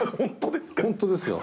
本当ですか？